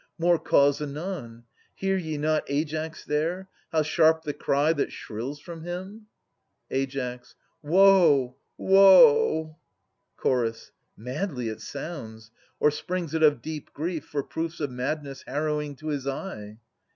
More cause anon ! Hear ye not Aias there, How sharp the cry that shrills from him? Ai. Woe ! woe ! Ch. Madly it sounds. — Or springs it of deep grief For proofs of madness harrowing to his eye